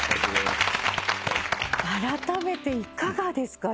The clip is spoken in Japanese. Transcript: あらためていかがですか？